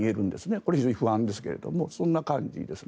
これ、非常に不安ですがそんな感じですね。